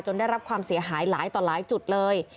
ได้รับความเสียหายหลายต่อหลายจุดเลย